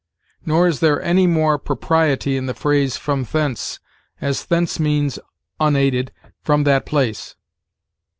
Nor is there any more propriety in the phrase from thence, as thence means unaided from that place.